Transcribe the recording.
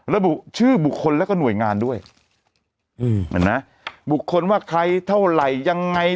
ระบุชื่อบุคคลแล้วก็หน่วยงานด้วยอืมเห็นไหมบุคคลว่าใครเท่าไหร่ยังไง